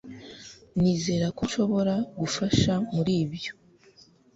nizera ko nshobora gufasha muri ibyo